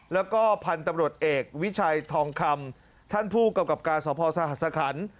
แล้วก็พันธุ์ตำรวจเอกวิชัยทองคำท่านผู้กำกับการสภสหสคัน